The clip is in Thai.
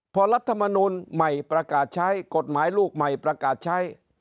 พอรัฐมนูลใหม่ประกาศใช้กฎหมายลูกใหม่ประกาศใช้